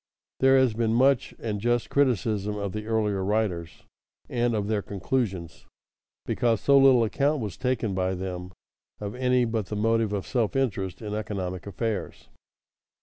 _ There has been much and just criticism of the earlier writers and of their conclusions because so little account was taken by them of any but the motive of self interest in economic affairs.